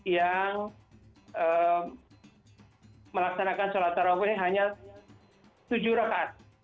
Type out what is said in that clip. yang melaksanakan sholat taraweeh hanya tujuh rakaat